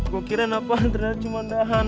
gue kira napa ternyata cuma andahan